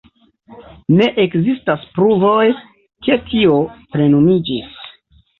Ne ekzistas pruvoj, ke tio plenumiĝis.